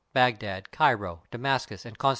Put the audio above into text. airo, Damascus, and Constar.